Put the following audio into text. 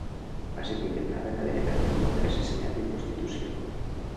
Va ser condemnada a cadena perpètua per assassinat i prostitució.